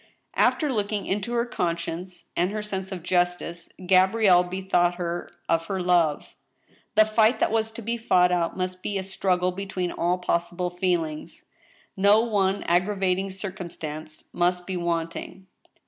After looking into her conscience and her sense of justice, Ga brielle bethought her of her love. The fight that was to be fought out must be a struggle between all possible feelings. No one aggra vating circumstance must be wanting.